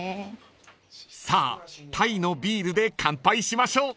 ［さあタイのビールで乾杯しましょう］